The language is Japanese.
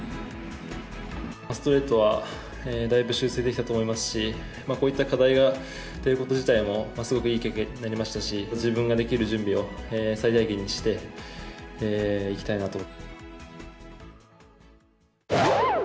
ストレートはだいぶ修正できたと思いますし、こういった課題が出ること自体も、すごくいい経験になりましたし、自分ができる準備を最大限にしていきたいなと。